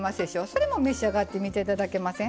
それも召し上がってみて頂けません？